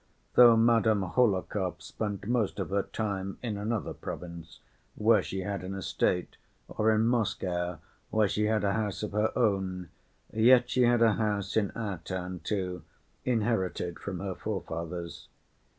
Though Madame Hohlakov spent most of her time in another province where she had an estate, or in Moscow, where she had a house of her own, yet she had a house in our town too, inherited from her forefathers.